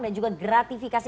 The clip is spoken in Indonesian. dan juga gratifikasi